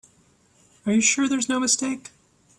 Are you sure there's no mistake?